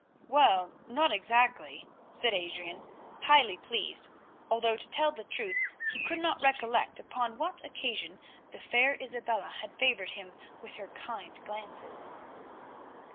"Well, not exactly," said Adrian, highly pleased, although to tell the truth he could not recollect upon what occasion the fair Isabella had favoured him with her kind glances.